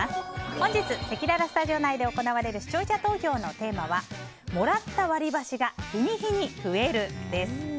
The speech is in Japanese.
本日、せきららスタジオ内で行われる視聴者投票のテーマはもらった割り箸が日に日に増えるです。